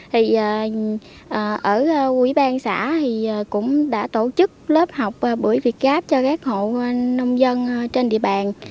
thì ở quỹ ban xã thì cũng đã tổ chức lớp học bưởi việt gáp cho các hộ nông dân trên địa bàn